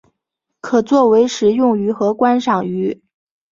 可作为食用鱼和观赏鱼。